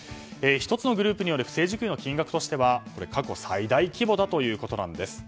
１つのグループによる不正受給の金額としては過去最大規模だということです。